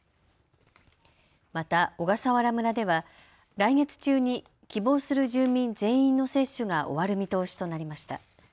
また小笠原村では来月中に希望する住民全員の接種が終わる見通しとなりました。